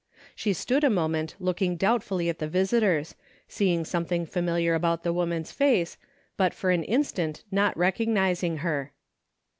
She stood a moment looking doubtfully at the visitors, seeing something familiar about the woman's face, but for an instant not rec ognizing her.